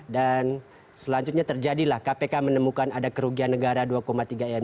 dan selanjutnya terjadilah kpk menemukan ada kerugian negara dua tiga m